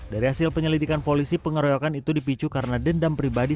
dari hasil penyelidikan polisi pengeroyokan itu dipicu karena dendam pribadi